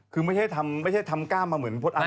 คือไม่ใช่ทำกล้ามใหม่เหมือนพทธ์อัลนด์นะ